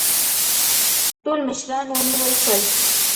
ټول مشران ونیول شول.